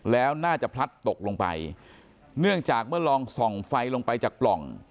แล้วน่าจะพลัดตกลงไปเนื่องจากเมื่อลองส่องไฟลงไปจากปล่อง